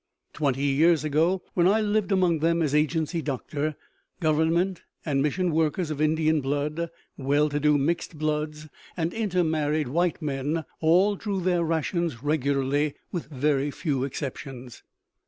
Twenty years ago, when I lived among them as agency doctor, Government and mission workers of Indian blood, well to do mixed bloods, and intermarried white men all drew their rations regularly, with very few exceptions.